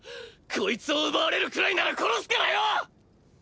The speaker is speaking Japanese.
こいつを奪われるくらいなら殺すからよ！！